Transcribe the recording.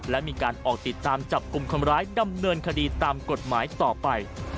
และมีการออกติดตามจับกลุ่มคนร้ายดำเนินคดีตามกฎหมายต่อไป